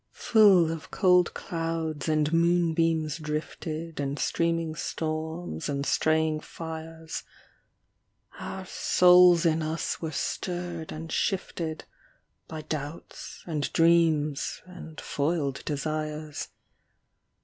Full of cold clouds and moonbeams drifted And streaming storms and straying fires. Our souls in us were stirred and shifted By doubts and dreams and foiled desires.